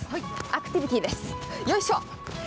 アクティビティーです、よいしょ。